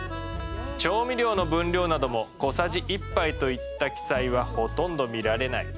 調味料の分量なども小さじ１杯といった記載はほとんど見られない。